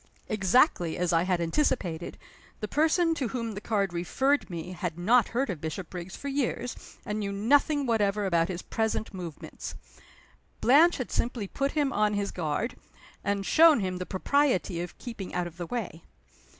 Exactly as I had anticipated, the person to whom the card referred me had not heard of Bishopriggs for years, and knew nothing whatever about his present movements. Blanche had simply put him on his guard, and shown him the propriety of keeping out of the way.